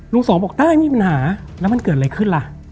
สองบอกได้มีปัญหาแล้วมันเกิดอะไรขึ้นล่ะ